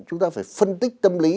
chúng ta phải phân tích tâm lý